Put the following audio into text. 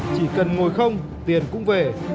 chỉ cần ngồi không tiền cũng về